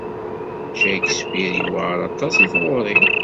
Shakespeare yewɛeṛ aṭas i tɣuri.